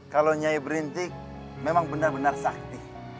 kalau nyai berintik memang benar benar sakti